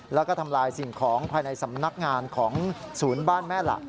แล้วก็ทำลายสิ่งของภายในสำนักงานของศูนย์บ้านแม่หลัก